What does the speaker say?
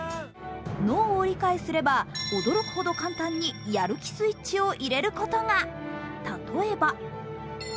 脳を理解すれば驚くほど簡単にやる気スイッチを入れることが。